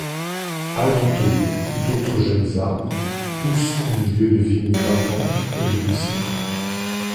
Alentour, d’autres jeunes arbres poussent au milieu de vignes grimpantes et de buissons.